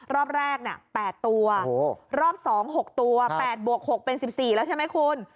รอบแรก๘ตัวรอบ๒๖ตัว๘บวก๖เป็น๑๔แล้วใช่ไหมคุณ